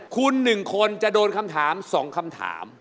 คุณ๑คนจะโดนคำถาม๒คำถาม